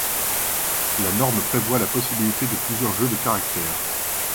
La norme prévoit la possibilité de plusieurs jeux de caractères.